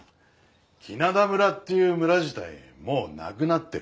来名田村っていう村自体もうなくなってる。